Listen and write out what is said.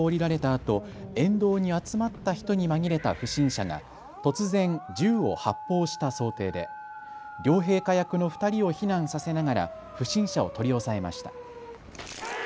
あと沿道に集まった人に紛れた不審者が突然、銃を発砲した想定で両陛下役の２人を避難させながら不審者を取り押さえました。